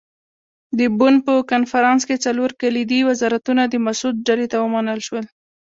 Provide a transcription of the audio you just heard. د بُن په کنفرانس کې څلور کلیدي وزارتونه د مسعود ډلې ته ومنل شول.